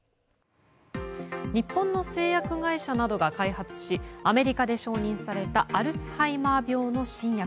日本の製薬会社などが開発しアメリカで承認されたアルツハイマー病の新薬。